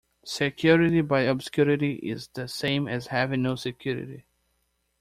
Security by obscurity is the same as having no security.